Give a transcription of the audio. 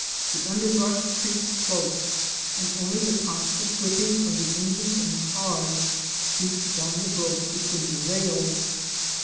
The under brush creeps close, and only the constant whipping of the engines and cars beats down the growth between the rails.